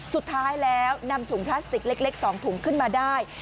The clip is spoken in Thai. สุดท้ายแล้วนำถุงพลาสติกเล็ก๒ถุงขึ้นมาได้